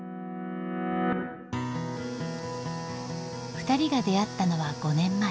ふたりが出会ったのは５年前。